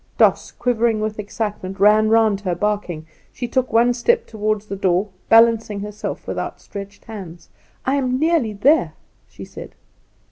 Doss, quivering with excitement, ran round her, barking. She took one step toward the door, balancing herself with outstretched hands. "I am nearly there," she said.